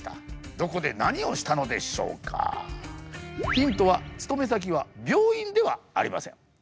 ヒントは勤め先は病院ではありません。